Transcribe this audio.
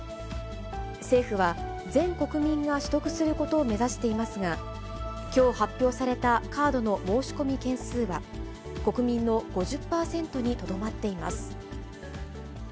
政府は、全国民が取得することを目指していますが、きょう発表されたカードの申し込み件数は、国民の５０％にとどまっています。